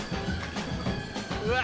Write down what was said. うわ。